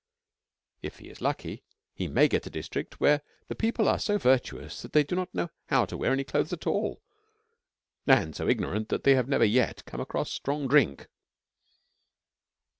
If he is lucky, he may get a district where the people are so virtuous that they do not know how to wear any clothes at all, and so ignorant that they have never yet come across strong drink.